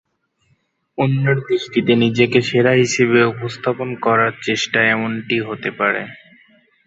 অন্যের দৃষ্টিতে নিজেকে সেরা হিসেবে উপস্থাপন করার চেষ্টায় এমনটি হতে পারে।